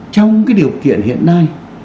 trong cái điều kiện hiện nay